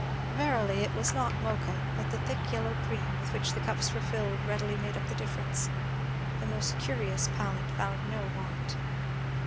Verily it was not Mocha, but the thick yellow cream with which the cups were filled readily made up the difference. The most curious palate found no want.